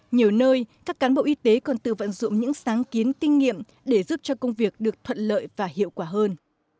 nhiều nơi các cán bộ y tế còn tự vận dụng những sáng kiến kinh nghiệm để giúp cho công việc được thuận lợi và hiệu quả hơn